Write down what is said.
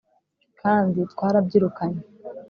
kandi twarabyirukanye;